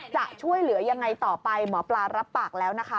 จะช่วยเหลือยังไงต่อไปหมอปลารับปากแล้วนะคะ